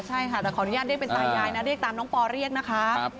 ใช่ค่ะแต่ขออนุญาตเรียกเป็นตายายนะเรียกตามน้องปอเรียกนะคะ